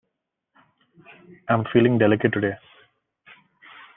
Am feeling delicate today.